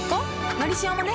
「のりしお」もね